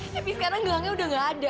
tapi sekarang gelangnya udah gak ada